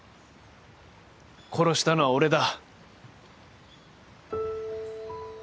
殺したのは俺だ。